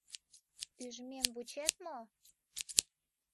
Ӱжмем вучет мо?